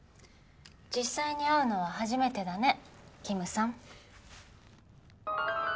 実際に会うのは初めてだねキムさん